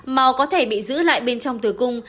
mà có thể bị giữ lại bên trong tử cung